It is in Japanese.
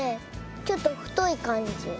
ちょっとふといかんじ。